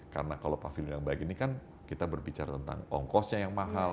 karena kalau pavilion yang baik ini kan kita berbicara tentang ongkosnya yang mahal